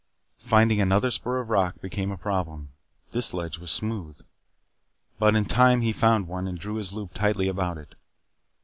Finding another spur of rock became a problem. This ledge was smooth. But in time he found one and drew his loop tightly about it.